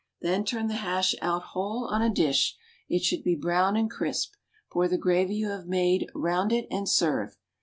Then turn the hash out whole on a dish, it should be brown and crisp, pour the gravy you have made round it, and serve.